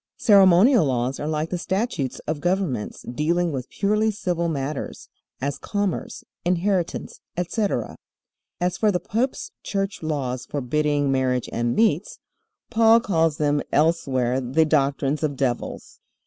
Ceremonial laws are like the statutes of governments dealing with purely civil matters, as commerce, inheritance, etc. As for the pope's church laws forbidding marriage and meats, Paul calls them elsewhere the doctrines of devils.